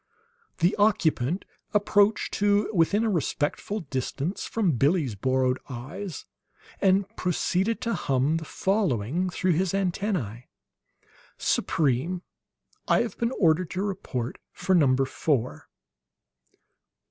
The occupant approached to within a respectful distance from Billie's borrowed eyes, and proceeded to hum the following through his antennae: "Supreme, I have been ordered to report for Number Four."